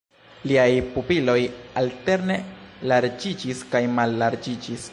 Liaj pupiloj alterne larĝiĝis kaj mallarĝiĝis.